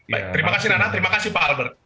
baik terima kasih nana terima kasih pak albert